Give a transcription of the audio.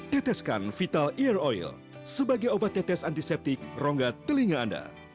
teteskan vital ear oil sebagai obat tetes antiseptik rongga telinga anda